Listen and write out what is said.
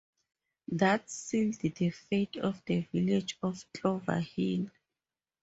That sealed the fate of the village of Clover Hill.